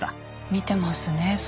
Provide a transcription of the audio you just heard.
見てますね外。